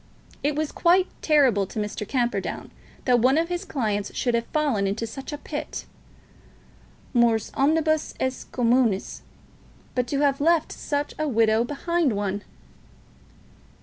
It was quite terrible to Mr. Camperdown that one of his clients should have fallen into such a pit. Mors omnibus est communis. But to have left such a widow behind one!